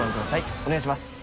お願いします。